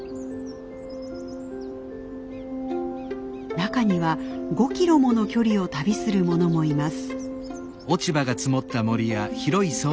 中には５キロもの距離を旅するものもいます。